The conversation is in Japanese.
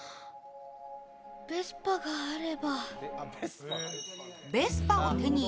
ベスパがあれば。